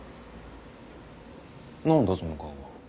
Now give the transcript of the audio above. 何だその顔は。